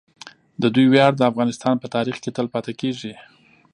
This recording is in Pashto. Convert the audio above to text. د دوی ویاړ د افغانستان په تاریخ کې تل پاتې کیږي.